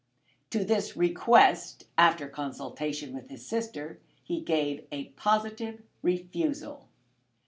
To this request, after consultation with his sister, he gave a positive refusal.